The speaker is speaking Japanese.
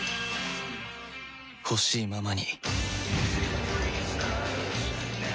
ほしいままに